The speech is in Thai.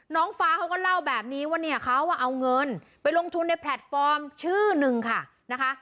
น้องฟ้าเขาก็เล่าแบบนี้ว่าเนี่ยเขาเอาเงินไปลงทุนในแพลตฟอร์มชื่อหนึ่งค่ะนะคะ